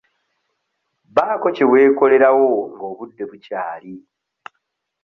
Baako kye weekolerawo nga obudde bukyali.